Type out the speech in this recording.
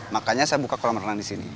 makanya saya buka kolam berenang disini